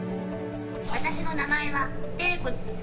私の名前はテレコです。